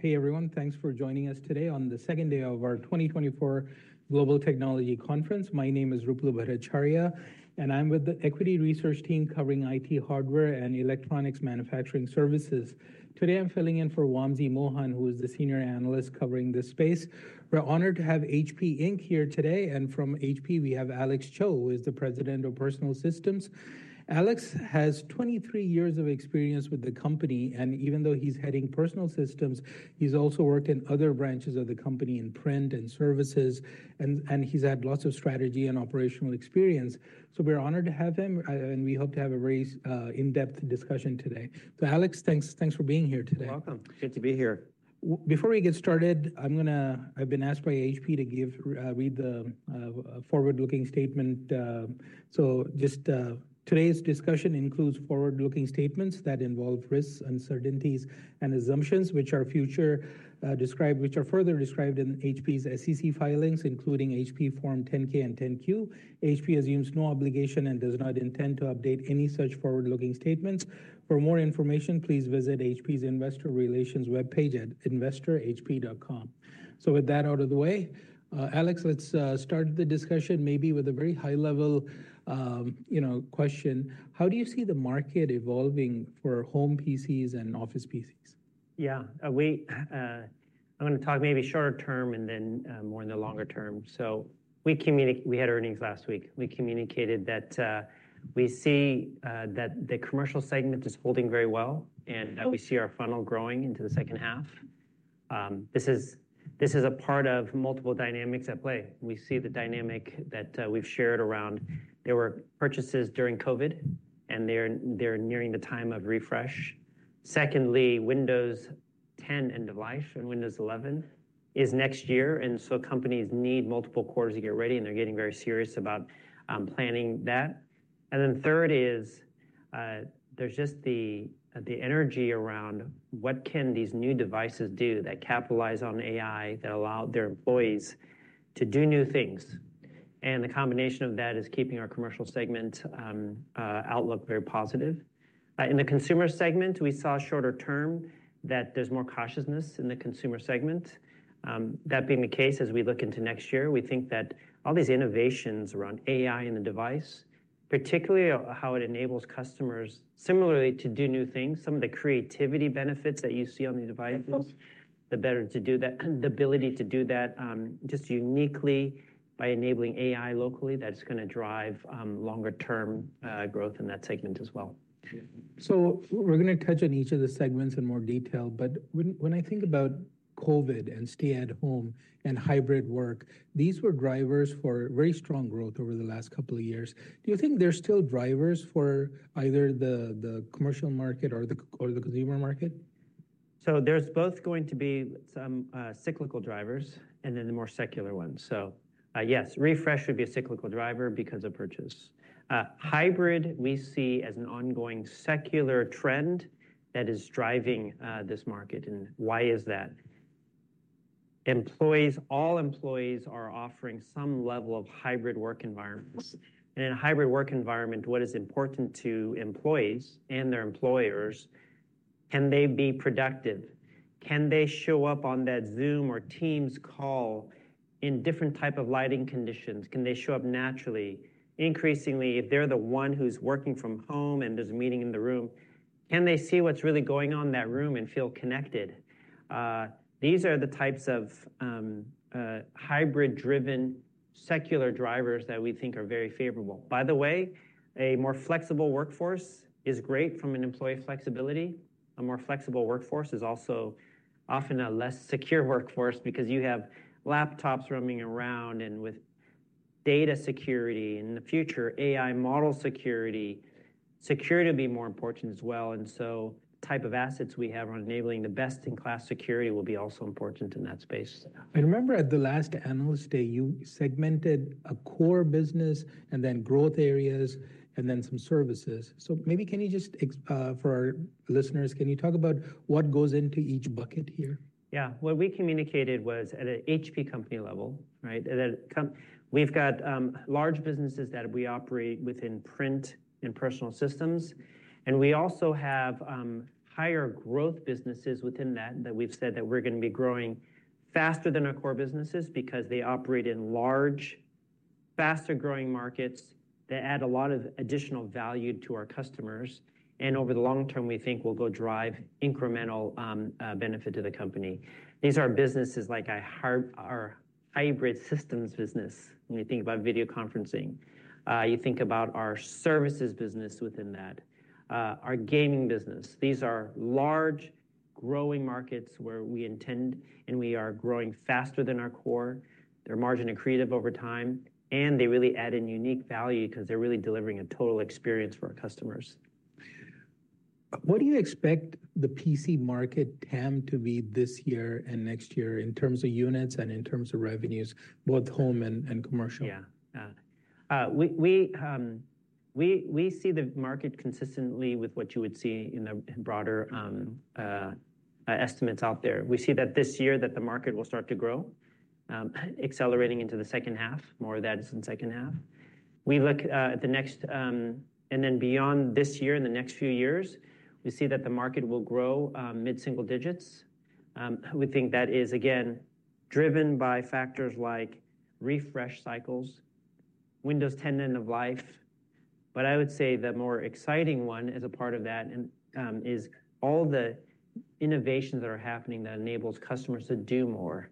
Hey, everyone. Thanks for joining us today on the second day of our 2024 Global Technology Conference. My name is Ruplu Bhattacharya, and I'm with the equity research team covering IT hardware and electronics manufacturing services. Today, I'm filling in for Wamsi Mohan, who is the senior analyst covering this space. We're honored to have HP Inc here today, and from HP, we have Alex Cho, who is the President of Personal Systems. Alex has 23 years of experience with the company, and even though he's heading Personal Systems, he's also worked in other branches of the company in Print and services, and he's had lots of strategy and operational experience. So we're honored to have him, and we hope to have a very in-depth discussion today. So, Alex, thanks, thanks for being here today. Welcome. Good to be here. Before we get started, I'm gonna—I've been asked by HP to give, read the forward-looking statement, so just, today's discussion includes forward-looking statements that involve risks, uncertainties, and assumptions which are further described in HP's SEC filings, including HP Form 10-K and 10-Q. HP assumes no obligation and does not intend to update any such forward-looking statements. For more information, please visit HP's investor relations webpage at investor.hp.com. So with that out of the way, Alex, let's start the discussion maybe with a very high-level, you know, question: how do you see the market evolving for home PCs and office PCs? Yeah, we, I'm gonna talk maybe shorter term, and then, more in the longer term. So we had earnings last week. We communicated that, we see, that the commercial segment is holding very well, and that we see our funnel growing into the second half. This is, this is a part of multiple dynamics at play. We see the dynamic that, we've shared around. There were purchases during COVID, and they're nearing the time of refresh. Secondly, Windows 10 end of life and Windows 11 is next year, and so companies need multiple quarters to get ready, and they're getting very serious about planning that. And then third is, there's just the energy around what can these new devices do that capitalize on AI, that allow their employees to do new things? The combination of that is keeping our commercial segment outlook very positive. In the consumer segment, we saw shorter term, that there's more cautiousness in the consumer segment. That being the case, as we look into next year, we think that all these innovations around AI in the device, particularly how it enables customers similarly to do new things, some of the creativity benefits that you see on these devices, the ability to do that, just uniquely by enabling AI locally, that's gonna drive longer-term growth in that segment as well. So we're gonna touch on each of the segments in more detail, but when I think about COVID, and stay at home, and hybrid work, these were drivers for very strong growth over the last couple of years. Do you think they're still drivers for either the commercial market or the consumer market? So there's both going to be some, cyclical drivers and then the more secular ones. So, yes, refresh would be a cyclical driver because of purchase. Hybrid, we see as an ongoing secular trend that is driving, this market. And why is that? Employees, all employees are offering some level of hybrid work environments. And in a hybrid work environment, what is important to employees and their employers, can they be productive? Can they show up on that Zoom or Teams call in different type of lighting conditions? Can they show up naturally? Increasingly, if they're the one who's working from home and there's a meeting in the room, can they see what's really going on in that room and feel connected? These are the types of, hybrid-driven secular drivers that we think are very favorable. By the way, a more flexible workforce is great from an employee flexibility. A more flexible workforce is also often a less secure workforce because you have laptops roaming around, and with data security, and in the future, AI model security, security will be more important as well, and so type of assets we have on enabling the best-in-class security will be also important in that space. I remember at the last Analyst Day, you segmented a core business and then growth areas and then some services. So maybe, can you just, for our listeners, can you talk about what goes into each bucket here? Yeah. What we communicated was at an HP company level, right? At a company level, we've got large businesses that we operate within Print and Personal Systems, and we also have higher growth businesses within that, that we've said that we're gonna be growing faster than our core businesses because they operate in large, faster-growing markets that add a lot of additional value to our customers, and over the long term, we think will go drive incremental benefit to the company. These are businesses like our hybrid systems business, when you think about video conferencing. You think about our services business within that, our gaming business. These are large, growing markets where we intend, and we are growing faster than our core. Their margins and creativity over time, and they really add a unique value because they're really delivering a total experience for our customers. What do you expect the PC market TAM to be this year and next year in terms of units and in terms of revenues, both home and commercial? Yeah, we see the market consistently with what you would see in the broader estimates out there. We see that this year the market will start to grow, accelerating into the second half, more of that is in second half. We look at the next, and then beyond this year, in the next few years, we see that the market will grow mid-single-digits. We think that is, again, driven by factors like refresh cycles, Windows 10 end of life. But I would say the more exciting one as a part of that, and is all the innovations that are happening that enables customers to do more.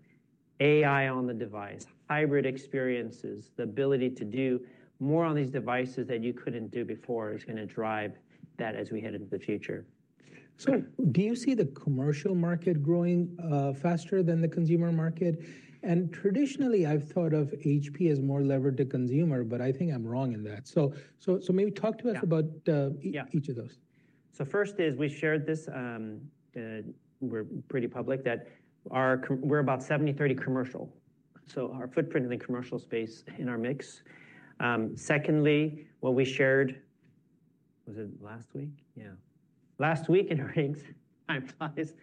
AI on the device, hybrid experiences, the ability to do more on these devices than you couldn't do before, is gonna drive that as we head into the future. So do you see the commercial market growing faster than the consumer market? And traditionally, I've thought of HP as more levered to consumer, but I think I'm wrong in that. So maybe talk to us about, Yeah... each of those. So first is we shared this, we're pretty public, that we're about 70/30 commercial, so our footprint in the commercial space in our mix. Secondly, what we shared, was it last week? Yeah. Last week in our earnings, time flies,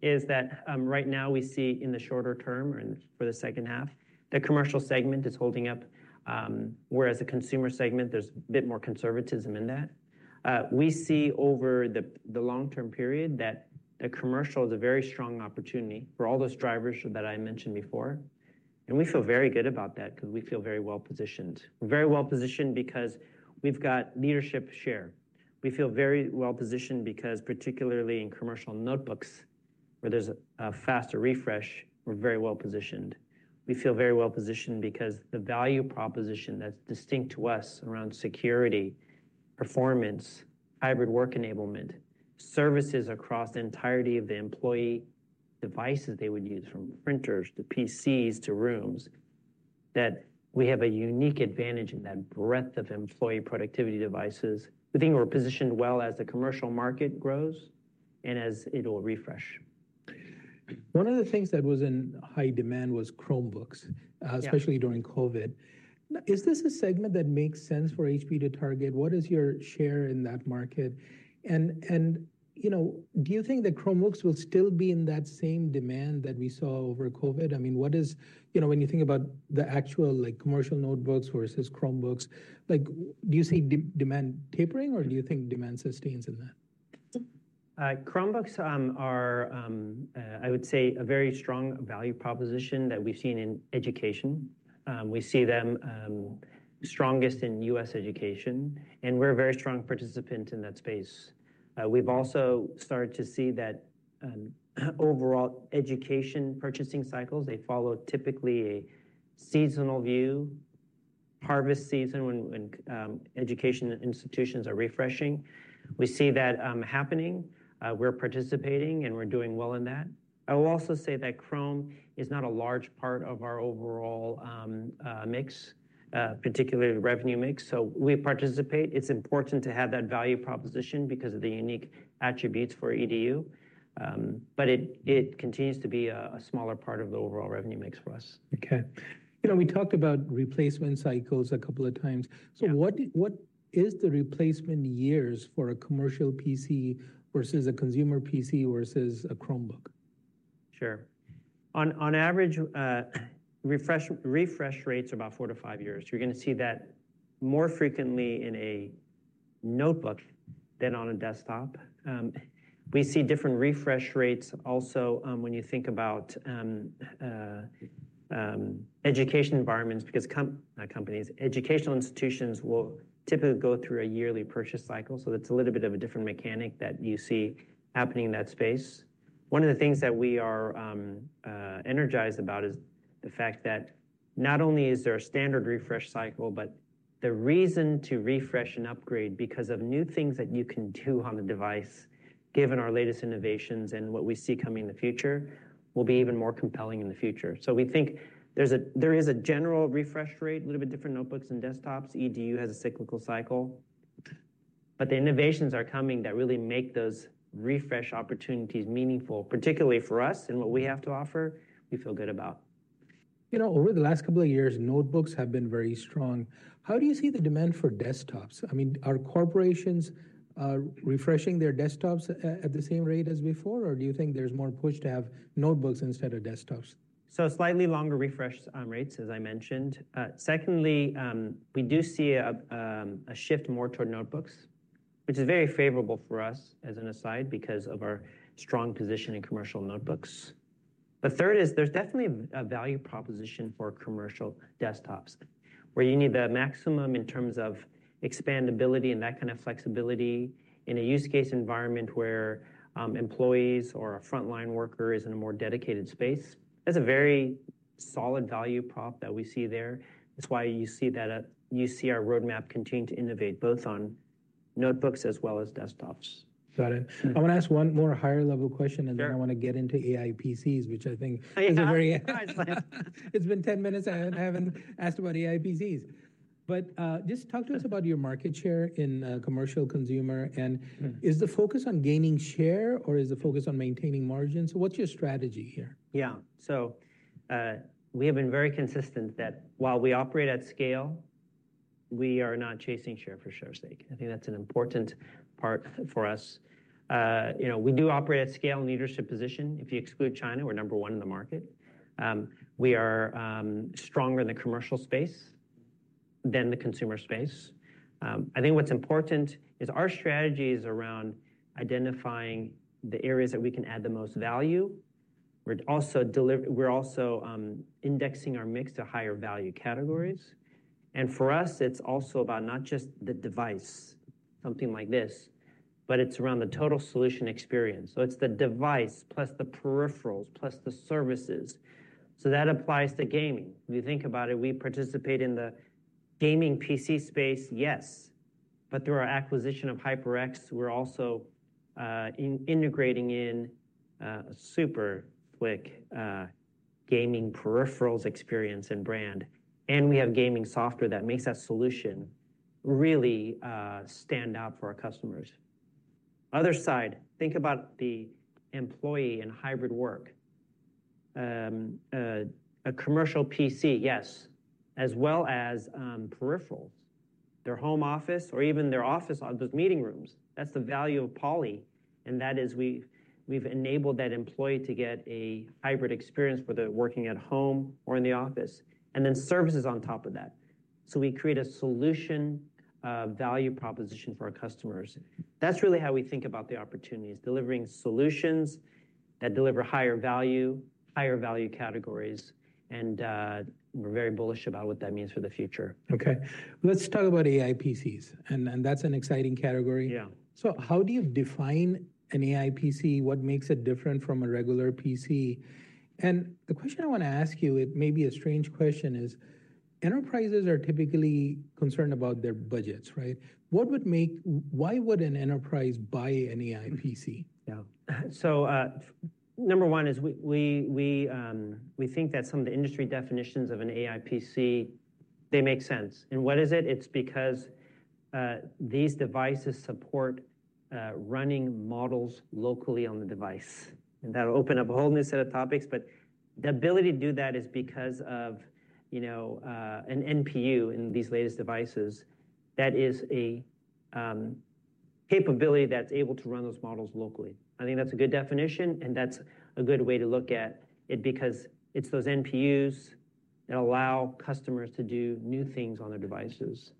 is that right now we see in the shorter term and for the second half, the commercial segment is holding up, whereas the consumer segment, there's a bit more conservatism in that. We see over the long-term period that the commercial is a very strong opportunity for all those drivers that I mentioned before, and we feel very good about that because we feel very well positioned. We're very well positioned because we've got leadership share. We feel very well positioned because, particularly in commercial notebooks, where there's a faster refresh, we're very well positioned. We feel very well positioned because the value proposition that's distinct to us around security, performance, hybrid work enablement, services across the entirety of the employee devices they would use, from printers, to PCs, to rooms, that we have a unique advantage in that breadth of employee productivity devices. We think we're positioned well as the commercial market grows and as it'll refresh. One of the things that was in high demand was Chromebooks- Yeah... especially during COVID. Is this a segment that makes sense for HP to target? What is your share in that market? And, you know, do you think that Chromebooks will still be in that same demand that we saw over COVID? I mean, what is... You know, when you think about the actual, like, commercial notebooks versus Chromebooks, like, do you see demand tapering, or do you think demand sustains in that? Chromebooks are, I would say, a very strong value proposition that we've seen in education. We see them strongest in U.S. education, and we're a very strong participant in that space. We've also started to see that overall education purchasing cycles they follow typically a seasonal view, harvest season, when education institutions are refreshing. We see that happening, we're participating, and we're doing well in that. I will also say that Chrome is not a large part of our overall mix, particularly the revenue mix, so we participate. It's important to have that value proposition because of the unique attributes for EDU, but it continues to be a smaller part of the overall revenue mix for us. Okay. You know, we talked about replacement cycles a couple of times. Yeah. So what is the replacement years for a commercial PC versus a consumer PC versus a Chromebook? Sure. On average, refresh rates are about four-five years. You're going to see that more frequently in a notebook than on a desktop. We see different refresh rates also when you think about education environments, because not companies, educational institutions will typically go through a yearly purchase cycle, so it's a little bit of a different mechanic that you see happening in that space. One of the things that we are energized about is the fact that not only is there a standard refresh cycle, but the reason to refresh and upgrade because of new things that you can do on the device, given our latest innovations and what we see coming in the future, will be even more compelling in the future. So we think there is a general refresh rate, a little bit different notebooks and desktops. EDU has a cyclical cycle, but the innovations are coming that really make those refresh opportunities meaningful, particularly for us and what we have to offer. We feel good about. You know, over the last couple of years, notebooks have been very strong. How do you see the demand for desktops? I mean, are corporations refreshing their desktops at the same rate as before, or do you think there's more push to have notebooks instead of desktops? So slightly longer refresh rates, as I mentioned. Secondly, we do see a shift more toward notebooks, which is very favorable for us, as an aside, because of our strong position in commercial notebooks. The third is there's definitely a value proposition for commercial desktops, where you need the maximum in terms of expandability and that kind of flexibility in a use case environment where employees or a frontline worker is in a more dedicated space. That's a very solid value prop that we see there. It's why you see that, you see our roadmap continue to innovate, both on notebooks as well as desktops. Got it. Mm-hmm. I want to ask one more higher-level question- Sure... and then I want to get into AI PCs, which I think- Yeah. It's been 10 minutes, and I haven't asked about AI PCs. But just talk to us about your market share in commercial consumer, and- Mm-hmm... is the focus on gaining share, or is the focus on maintaining margins? What's your strategy here? Yeah. So, we have been very consistent that while we operate at scale, we are not chasing share for share's sake. I think that's an important part for us. You know, we do operate at scale and leadership position. If you exclude China, we're number one in the market. We are stronger in the commercial space than the consumer space. I think what's important is our strategy is around identifying the areas that we can add the most value. We're also indexing our mix to higher value categories, and for us, it's also about not just the device, something like this, but it's around the total solution experience. So it's the device, plus the peripherals, plus the services. So that applies to gaming. If you think about it, we participate in the gaming PC space, yes, but through our acquisition of HyperX, we're also integrating super quick gaming peripherals experience and brand, and we have gaming software that makes that solution really stand out for our customers. Other side, think about the employee and hybrid work. A commercial PC, yes, as well as peripherals. Their home office or even their office, or those meeting rooms, that's the value of Poly, and that is we've enabled that employee to get a hybrid experience, whether they're working at home or in the office, and then services on top of that. So we create a solution value proposition for our customers. That's really how we think about the opportunities, delivering solutions that deliver higher value, higher value categories, and, we're very bullish about what that means for the future. Okay. Let's talk about AI PCs, and that's an exciting category. Yeah. So how do you define an AI PC? What makes it different from a regular PC? And the question I want to ask you, it may be a strange question, is: enterprises are typically concerned about their budgets, right? What would make-- Why would an enterprise buy an AI PC? Yeah. So, number one is we think that some of the industry definitions of an AI PC, they make sense. And what is it? It's because these devices support running models locally on the device, and that'll open up a whole new set of topics, but the ability to do that is because of, you know, an NPU in these latest devices. That is a capability that's able to run those models locally. I think that's a good definition, and that's a good way to look at it because it's those NPUs that allow customers to do new things on their devices.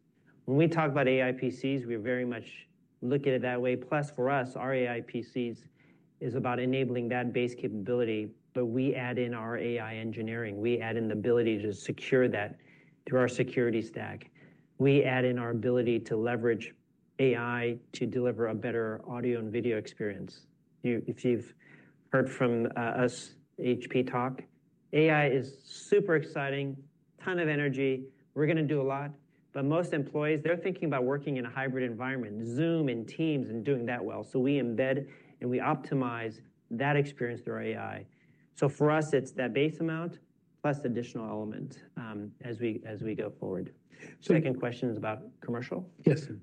When we talk about AI PCs, we very much look at it that way. Plus, for us, our AI PCs is about enabling that base capability, but we add in our AI engineering. We add in the ability to secure that through our security stack. We add in our ability to leverage AI to deliver a better audio and video experience. You, if you've heard from us, HP talk, AI is super exciting, ton of energy. We're gonna do a lot, but most employees, they're thinking about working in a hybrid environment, Zoom and Teams, and doing that well. So we embed, and we optimize that experience through our AI. So for us, it's that base amount, plus additional element, as we go forward. So- Second question is about commercial? Yes, sir.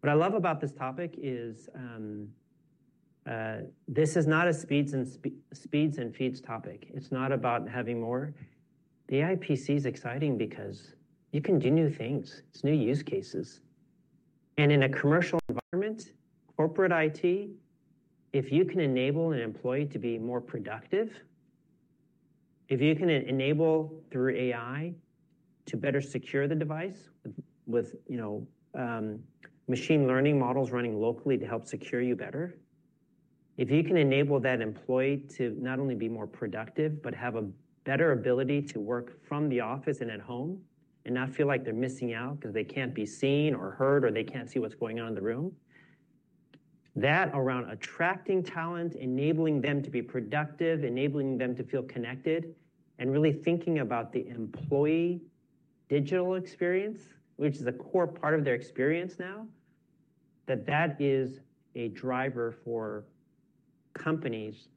What I love about this topic is, this is not a speeds and feeds topic. It's not about having more. The AI PC is exciting because you can do new things. It's new use cases, and in a commercial environment, corporate IT, if you can enable an employee to be more productive, if you can enable through AI to better secure the device with, you know, machine learning models running locally to help secure you better, if you can enable that employee to not only be more productive, but have a better ability to work from the office and at home, and not feel like they're missing out because they can't be seen or heard, or they can't see what's going on in the room, that's around attracting talent, enabling them to be productive, enabling them to feel connected, and really thinking about the employee digital experience, which is a core part of their experience now, that that is a driver for companies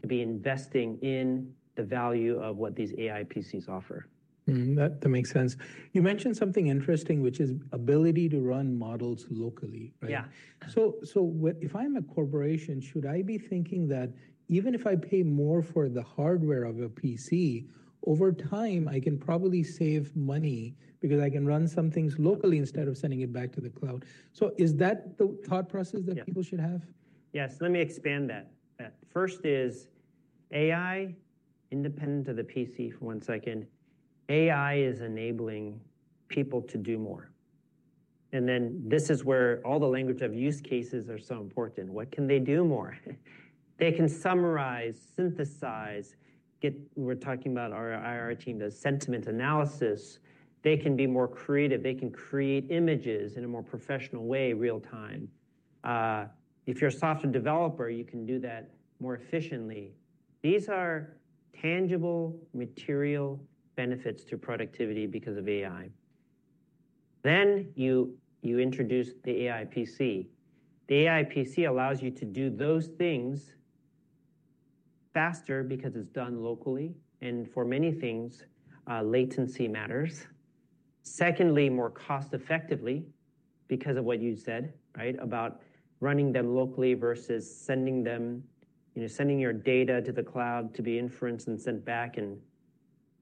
to be investing in the value of what these AI PCs offer. Mm-hmm. That, that makes sense. You mentioned something interesting, which is ability to run models locally, right? Yeah. So what if I'm a corporation, should I be thinking that even if I pay more for the hardware of a PC, over time, I can probably save money because I can run some things locally instead of sending it back to the cloud? So is that the thought process that people should have? Yes, let me expand that. First is AI, independent of the PC for one second, AI is enabling people to do more. And then this is where all the language of use cases are so important. What can they do more? They can summarize, synthesize. We're talking about our IR team, the sentiment analysis. They can be more creative. They can create images in a more professional way, real time. If you're a software developer, you can do that more efficiently. These are tangible, material benefits to productivity because of AI. Then, you introduce the AI PC. The AI PC allows you to do those things faster because it's done locally, and for many things, latency matters. Secondly, more cost effectively... because of what you said, right? About running them locally versus sending them, you know, sending your data to the cloud to be inferenced and sent back,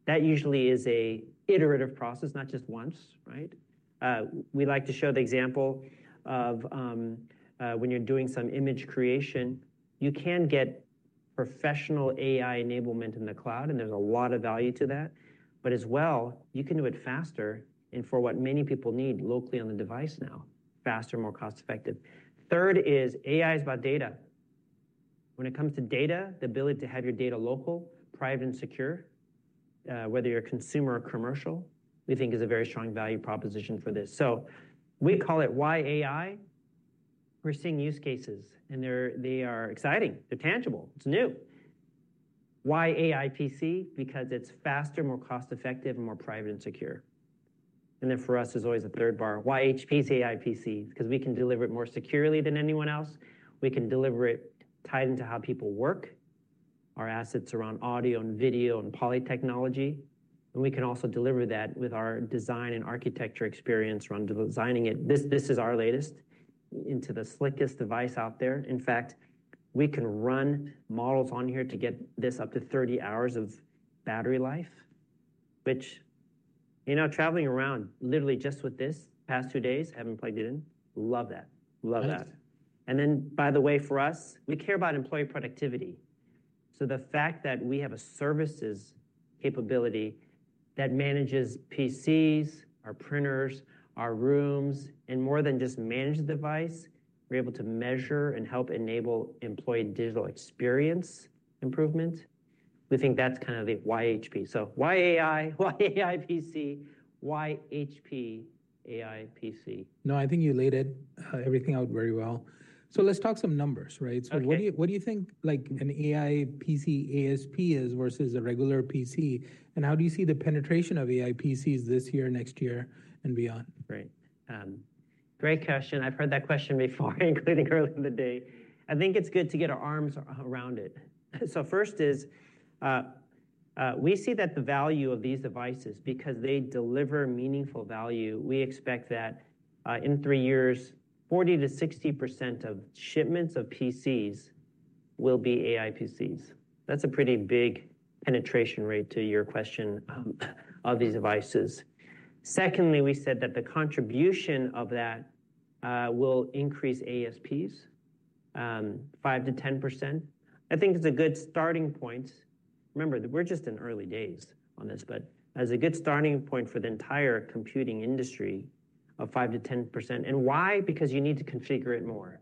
and that usually is a iterative process, not just once, right? We like to show the example of when you're doing some image creation, you can get professional AI enablement in the cloud, and there's a lot of value to that. But as well, you can do it faster, and for what many people need locally on the device now, faster, more cost-effective. Third is, AI is about data. When it comes to data, the ability to have your data local, private, and secure, whether you're a consumer or commercial, we think is a very strong value proposition for this. So we call it Why AI? We're seeing use cases, and they are exciting. They're tangible. It's new. Why AI PC? Because it's faster, more cost-effective, and more private and secure. And then for us, there's always a third bar. Why HP AI PC? Because we can deliver it more securely than anyone else. We can deliver it tied into how people work, our assets around audio and video and Poly technology, and we can also deliver that with our design and architecture experience around designing it. This, this is our latest, into the slickest device out there. In fact, we can run models on here to get this up to 30 hours of battery life, which, you know, traveling around, literally just with this, the past two days, I haven't plugged it in. Love that. Love that. Nice. Then, by the way, for us, we care about employee productivity. So the fact that we have a services capability that manages PCs, our printers, our rooms, and more than just manage the device, we're able to measure and help enable employee digital experience improvement. We think that's kind of the why HP. Why AI? Why AI PC? Why HP AI PC? No, I think you laid it, everything out very well. So let's talk some numbers, right? Okay. So what do you think, like, an AI PC ASP is versus a regular PC? And how do you see the penetration of AI PCs this year, next year, and beyond? Great. Great question. I've heard that question before, including earlier in the day. I think it's good to get our arms around it. So first is, we see that the value of these devices, because they deliver meaningful value, we expect that, in three years, 40%-60% of shipments of PCs will be AI PCs. That's a pretty big penetration rate to your question, of these devices. Secondly, we said that the contribution of that, will increase ASPs, 5%-10%. I think it's a good starting point. Remember that we're just in early days on this, but as a good starting point for the entire computing industry of 5%-10%. And why? Because you need to configure it more.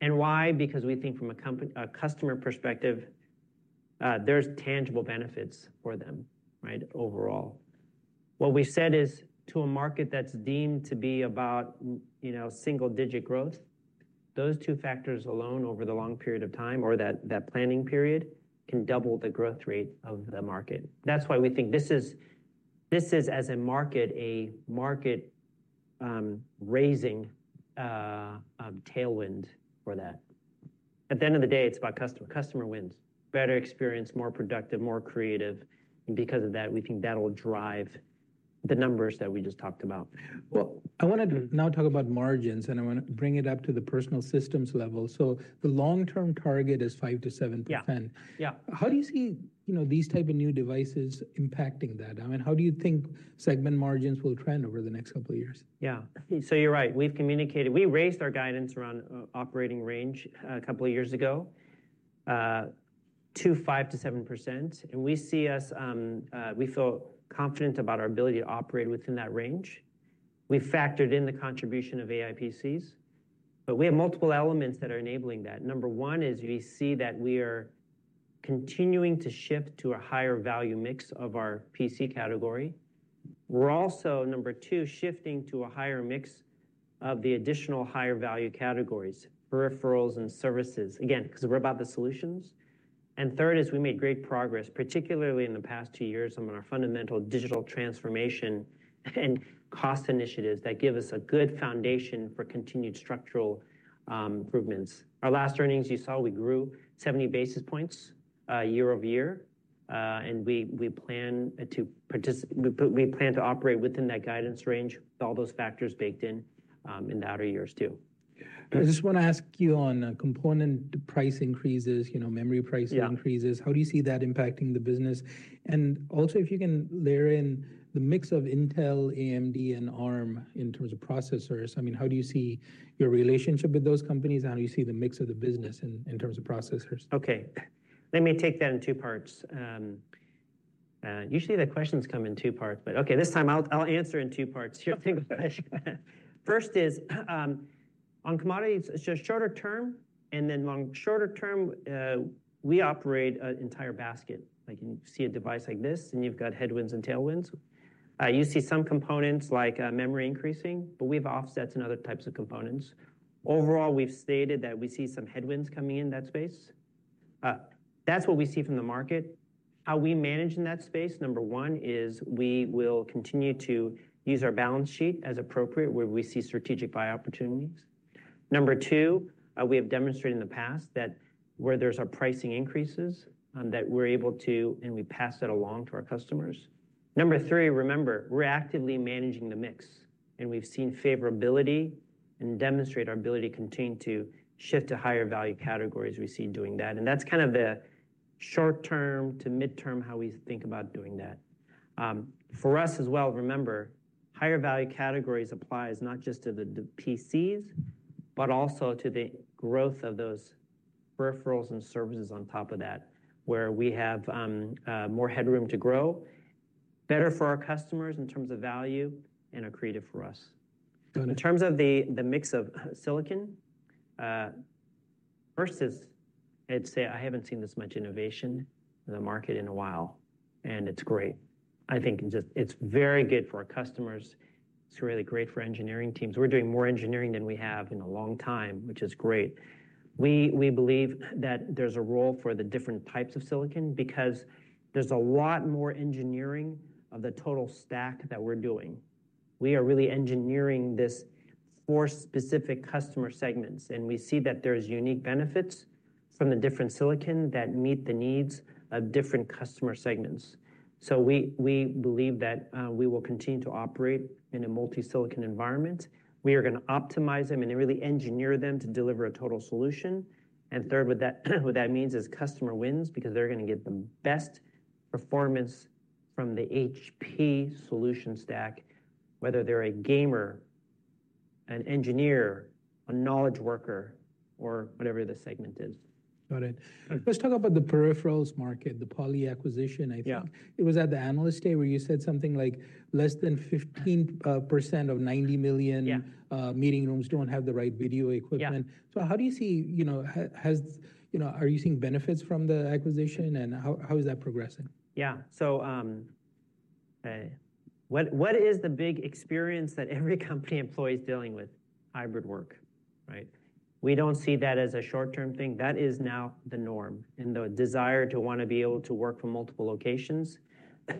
And why? Because we think from a customer perspective, there's tangible benefits for them, right, overall. What we've said is, to a market that's deemed to be about, you know, single-digit growth, those two factors alone over the long period of time or that, that planning period, can double the growth rate of the market. That's why we think this is, this is, as a market, a market, raising a tailwind for that. At the end of the day, it's about customer, customer wins, better experience, more productive, more creative, and because of that, we think that'll drive the numbers that we just talked about. Well, I want to now talk about margins, and I want to bring it up to the Personal Systems level. So the long-term target is 5%-7%. Yeah. Yeah. How do you see, you know, these type of new devices impacting that? I mean, how do you think segment margins will trend over the next couple of years? Yeah. So you're right. We've communicated. We raised our guidance around operating range a couple of years ago to 5%-7%, and we see us we feel confident about our ability to operate within that range. We factored in the contribution of AI PCs, but we have multiple elements that are enabling that. Number one is we see that we are continuing to shift to a higher value mix of our PC category. We're also, number two, shifting to a higher mix of the additional higher value categories, peripherals and services. Again, because we're about the solutions. And third is, we made great progress, particularly in the past two years, on our fundamental digital transformation and cost initiatives that give us a good foundation for continued structural improvements. Our last earnings, you saw we grew 70 basis points year-over-year, and we plan to operate within that guidance range with all those factors baked in, in the outer years, too. I just want to ask you on, component price increases, you know, memory price increases- Yeah... how do you see that impacting the business? And also, if you can layer in the mix of Intel, AMD, and Arm in terms of processors, I mean, how do you see your relationship with those companies, and how do you see the mix of the business in terms of processors? Okay. Let me take that in two parts. Usually, the questions come in two parts, but okay, this time I'll answer in two parts. First is on commodities, so shorter term, and then on shorter term, we operate an entire basket. Like, you can see a device like this, and you've got headwinds and tailwinds. You see some components like memory increasing, but we have offsets and other types of components. Overall, we've stated that we see some headwinds coming in that space. That's what we see from the market. How we manage in that space, number one, is we will continue to use our balance sheet as appropriate, where we see strategic buy opportunities. Number two, we have demonstrated in the past that where there's our pricing increases, that we're able to, and we pass that along to our customers. Number three, remember, we're actively managing the mix, and we've seen favorability and demonstrate our ability to continue to shift to higher value categories. We see doing that, and that's kind of the short term to midterm, how we think about doing that. For us as well, remember, higher value categories applies not just to the PCs, but also to the growth of those peripherals and services on top of that, where we have more headroom to grow, better for our customers in terms of value and accretive for us. Got it. In terms of the mix of silicon, first is, I'd say I haven't seen this much innovation in the market in a while, and it's great. I think just it's very good for our customers. It's really great for engineering teams. We're doing more engineering than we have in a long time, which is great. We believe that there's a role for the different types of silicon because there's a lot more engineering of the total stack that we're doing. We are really engineering this for specific customer segments, and we see that there's unique benefits from the different silicon that meet the needs of different customer segments. So we believe that we will continue to operate in a multi-silicon environment. We are gonna optimize them and really engineer them to deliver a total solution. And third, what that means is customer wins because they're gonna get the best performance from the HP solution stack, whether they're a gamer, an engineer, a knowledge worker, or whatever the segment is. Got it. Got it. Let's talk about the peripherals market, the Poly acquisition, I think. Yeah. It was at the Analyst Day, where you said something like, less than 15% of 90 million- Yeah... meeting rooms don't have the right video equipment. Yeah. So how do you see, you know, are you seeing benefits from the acquisition, and how is that progressing? Yeah. So, what is the big experience that every company employee is dealing with? Hybrid work, right? We don't see that as a short-term thing. That is now the norm, and the desire to want to be able to work from multiple locations,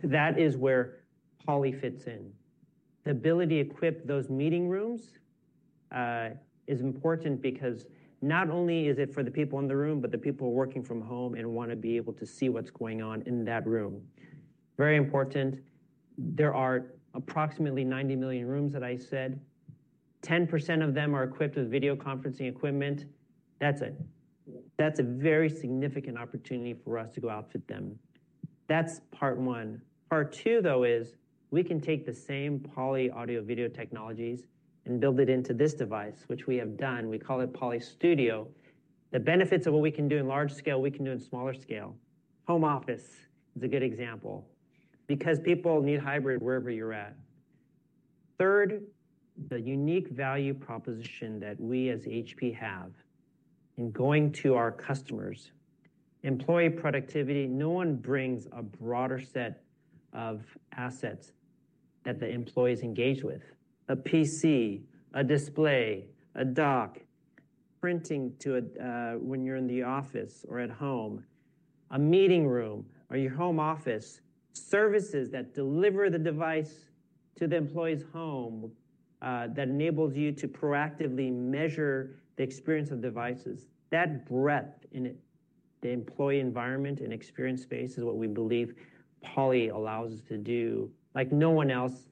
that is where Poly fits in. The ability to equip those meeting rooms is important because not only is it for the people in the room, but the people working from home and want to be able to see what's going on in that room. Very important. There are approximately 90 million rooms that I said. 10% of them are equipped with video conferencing equipment. That's a very significant opportunity for us to go outfit them. That's part one. Part two, though, is we can take the same Poly audio-video technologies and build it into this device, which we have done. We call it Poly Studio. The benefits of what we can do in large scale, we can do in smaller scale. Home office is a good example because people need hybrid wherever you're at. Third, the unique value proposition that we as HP have in going to our customers. Employee productivity, no one brings a broader set of assets that the employees engage with: a PC, a display, a dock, printing to a, when you're in the office or at home, a meeting room or your home office, services that deliver the device to the employee's home, that enables you to proactively measure the experience of devices. That breadth in it, the employee environment and experience space, is what we believe Poly allows us to do like no one else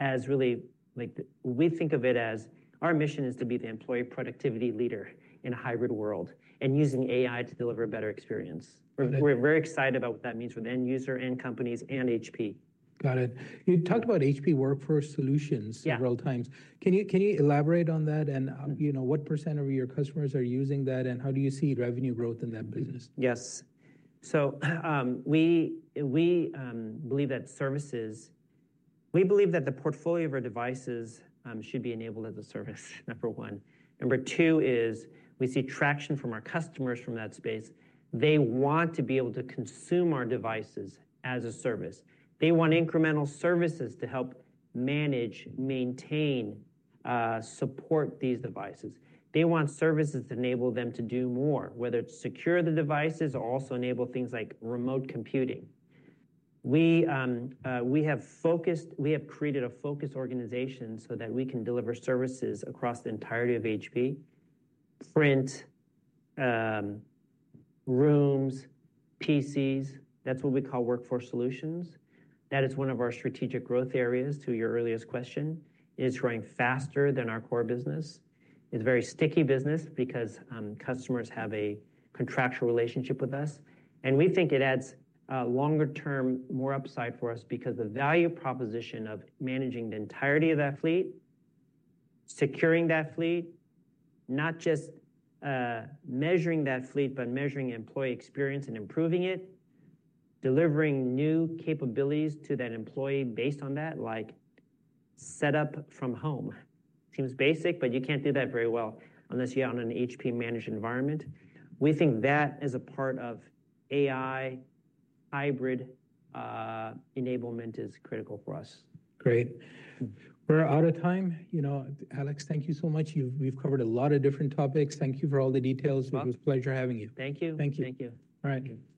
as really, like... We think of it as, our mission is to be the employee productivity leader in a hybrid world and using AI to deliver a better experience. Okay. We're very excited about what that means for the end user and companies and HP. Got it. You talked about HP Workforce Solutions- Yeah... several times. Can you elaborate on that? You know, what percent of your customers are using that, and how do you see revenue growth in that business? Yes. So, we believe that the portfolio of our devices should be enabled as a service, number one. Number two is, we see traction from our customers from that space. They want to be able to consume our devices as a service. They want incremental services to help manage, maintain, support these devices. They want services that enable them to do more, whether it's secure the devices or also enable things like remote computing. We have created a focused organization so that we can deliver services across the entirety of HP. Print, rooms, PCs, that's what we call Workforce Solutions. That is one of our strategic growth areas to your earliest question. It is growing faster than our core business. It's a very sticky business because customers have a contractual relationship with us, and we think it adds longer term, more upside for us because the value proposition of managing the entirety of that fleet, securing that fleet, not just measuring that fleet, but measuring employee experience and improving it, delivering new capabilities to that employee based on that, like set up from home. Seems basic, but you can't do that very well unless you're on an HP-managed environment. We think that is a part of AI, hybrid, enablement is critical for us. Great. We're out of time. You know, Alex, thank you so much. We've covered a lot of different topics. Thank you for all the details. Welcome. It was a pleasure having you. Thank you. Thank you. Thank you. All right.